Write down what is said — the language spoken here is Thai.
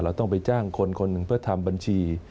เราต้องไปจ้างคนคนหนึ่งเพื่อทำบัญชี